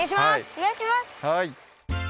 はい。